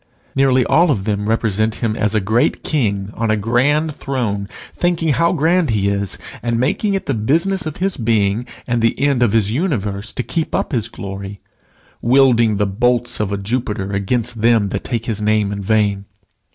Nearly all of them represent him as a great King on a grand throne, thinking how grand he is, and making it the business of his being and the end of his universe to keep up his glory, wielding the bolts of a Jupiter against them that take his name in vain.